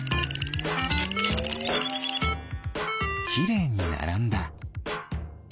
きれいにならんだ。